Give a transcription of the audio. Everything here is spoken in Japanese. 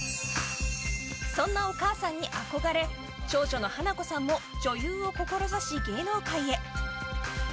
そんなお母さんに憧れ長女の華子さんも女優を志し、芸能界へ。